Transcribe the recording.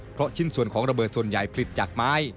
เพราะชิ้นส่วนของระเบิดส่วนใหญ่ผลิตจากไม้